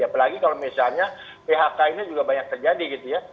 apalagi kalau misalnya phk ini juga banyak terjadi gitu ya